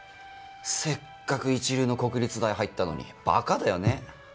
せっかく一流の国立大入ったのにバカだよね。